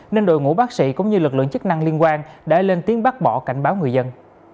nên đội ngũ bác sĩ cũng như lực lượng chức năng liên quan đã lên tiếng bác bỏ cảnh báo người dân